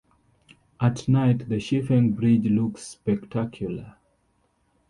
At night, the Shifeng Bridge looks spectacular.